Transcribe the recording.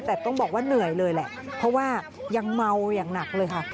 แต่ต้องบอกว่าเหนื่อยเลยแหละเพราะว่ายังเมาอย่างหนักเลยค่ะ